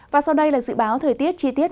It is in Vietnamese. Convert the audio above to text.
và sau đây là dự báo thời tiết chi tiết